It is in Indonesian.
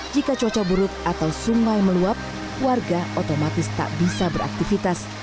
jika cuaca buruk atau sungai meluap warga otomatis tak bisa beraktivitas